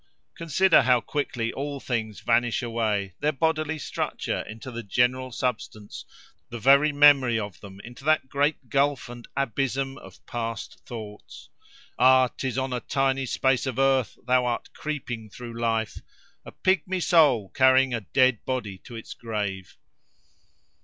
Consider how quickly all things vanish away—their bodily structure into the general substance; the very memory of them into that great gulf and abysm of past thoughts. Ah! 'tis on a tiny space of earth thou art creeping through life—a pigmy soul carrying a dead body to its grave.